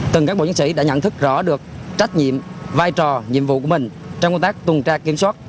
từng cán bộ chiến sĩ đã nhận thức rõ được trách nhiệm vai trò nhiệm vụ của mình trong công tác tuần tra kiểm soát